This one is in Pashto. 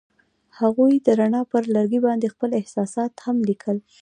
هغوی د رڼا پر لرګي باندې خپل احساسات هم لیکل.